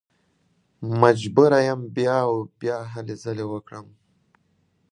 مجبوره یم بیا او بیا هلې ځلې وکړم.